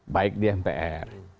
baik di mpr